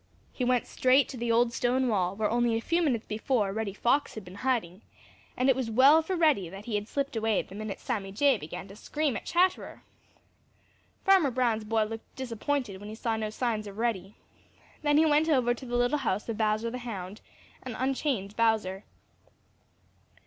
He went straight to the old stone wall where only a few minutes before Reddy Fox had been hiding, and it was well for Reddy that he had slipped away the minute Sammy Jay began to scream at Chatterer. Farmer Brown's boy looked disappointed when he saw no signs of Reddy. Then he went over to the little house of Bowser the Hound and unchained Bowser.